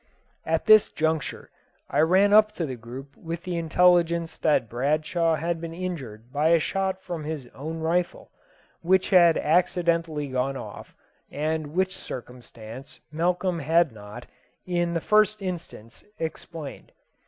At this juncture I ran up to the group with the intelligence that Bradshaw had been injured by a shot from his own rifle, which had accidentally gone off, and which circumstance Malcolm had not, in the first instance, explained.